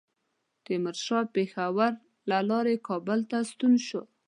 تیمورشاه پېښور له لارې کابل ته ستون شو.